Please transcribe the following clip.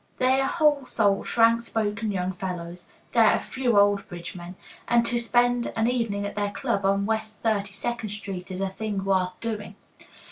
They are whole souled, frank spoken young fellows (there are few old bridge men), and to spend an evening at their club, on West Thirty second Street, is a thing worth doing.